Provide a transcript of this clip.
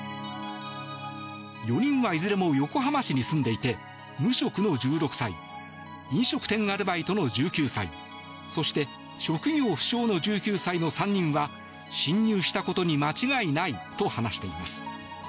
４人はいずれも横浜市に住んでいて無職の１６歳飲食店アルバイトの１９歳そして職業不詳の１９歳の３人は侵入したことに間違いないと話しています。